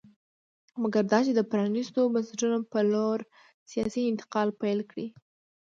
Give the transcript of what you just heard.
مګر دا چې د پرانېستو بنسټونو په لور سیاسي انتقال پیل کړي